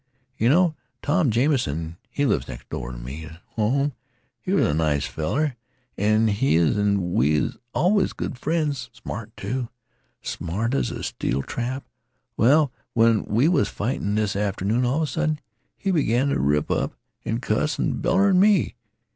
"Yeh know Tom Jamison, he lives next door t' me up home. He's a nice feller, he is, an' we was allus good friends. Smart, too. Smart as a steel trap. Well, when we was a fightin' this atternoon, all of a sudden he begin t' rip up an' cuss an' beller at me.